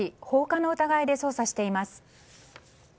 放火の疑いで捜査しています。